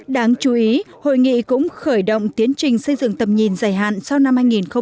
đáng chú ý hội nghị cũng khởi động tiến trình xây dựng tầm nhìn dài hạn sau năm hai nghìn hai mươi năm